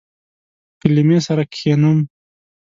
کلمې سره کښینوم